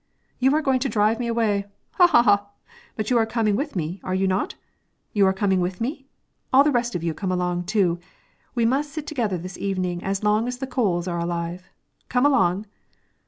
"You are going to drive me away, ha ha ha! But you are coming with me; are you not? You are coming with me? All the rest of you come along, too; we must sit together this evening as long as the coals are alive. Come along!"